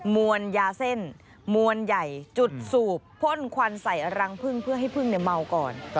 มวลยาเส้นมวลใหญ่จุดสูบพ่นควันใส่รังพึ่งเพื่อให้พึ่งเมาก่อน